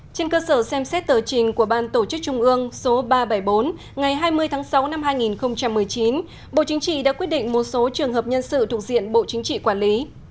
trên cơ sở xem xét tờ trình của ban tổ chức trung ương số ba trăm bảy mươi bốn ngày hai mươi tháng sáu năm hai nghìn một mươi chín bộ chính trị đã quyết định một số trường hợp nhân sự thuộc diện bộ chính trị quản lý